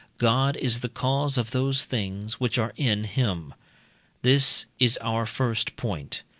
God is the cause of those things which are in him. This is our first point.